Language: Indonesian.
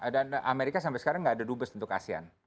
dan amerika sampai sekarang nggak ada dubes untuk asean